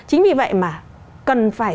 chính vì vậy mà cần phải